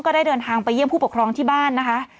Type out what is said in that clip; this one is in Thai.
ได้เดินทางไปเยี่ยมผู้ปกครองที่บ้านนะคะ